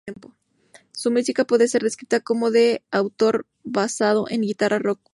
Su música puede ser descrita como de autor basado en guitarra, rock o folk-rock.